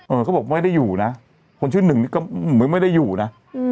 เขาบอกไม่ได้อยู่นะคนชื่อหนึ่งนี่ก็เหมือนไม่ได้อยู่นะ